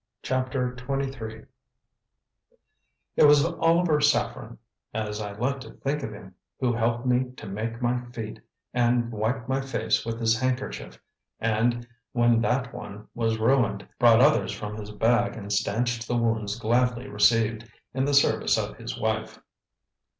CHAPTER XXII It was Oliver Saffren as I like to think of him who helped me to my feet and wiped my face with his handkerchief, and when that one was ruined, brought others from his bag and stanched the wounds gladly received, in the service of his wife.